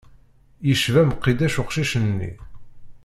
Yecba Mqidec uqcic-nni.